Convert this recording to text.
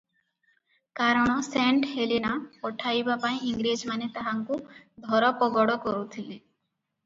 କାରଣ Saint Helena ପଠାଇବା ପାଇଁ ଇଂରେଜମାନେ ତାହାଙ୍କୁ ଧରପଗଡ଼ କରୁଥିଲେ ।